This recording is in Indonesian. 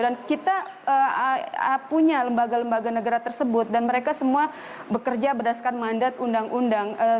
dan kita punya lembaga lembaga negara tersebut dan mereka semua bekerja berdasarkan mandat undang undang